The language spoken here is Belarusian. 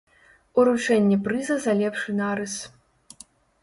Уручэнне прыза за лепшы нарыс.